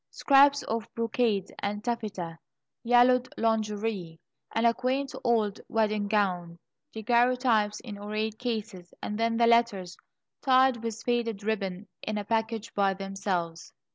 Scraps of brocade and taffeta, yellowed lingerie, and a quaint old wedding gown, daguerreotypes in ornate cases, and then the letters, tied with faded ribbon, in a package by themselves.